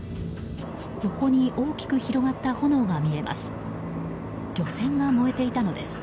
横に大きく広がった炎が見えます。